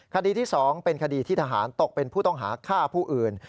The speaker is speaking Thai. คดีที่๒เป็นคดีที่ทหารตกเป็นผู้ต้องหาฆ่าผู้อื่น